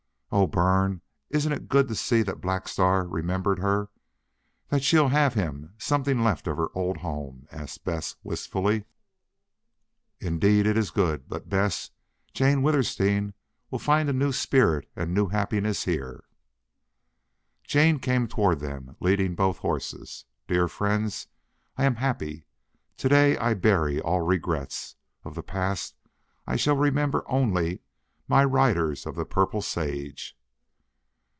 "Oh, Bern, isn't it good that Black Star remembered her that she'll have him something left of her old home?" asked Bess, wistfully. "Indeed it is good. But, Bess, Jane Withersteen will find a new spirit and new happiness here." Jane came toward them, leading both horses. "Dear friends, I am happy. To day I bury all regrets. Of the past I shall remember only my riders of the purple sage."